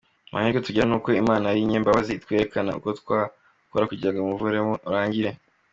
Amahirwe tugira nuko Imana ari inyembabazi: itwereka icyo twakora kugirango umuvumo urangire: